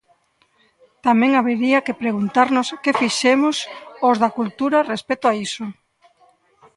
Tamén habería que preguntarnos que fixemos os da cultura respecto a iso.